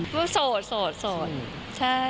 เพราะโสดใช่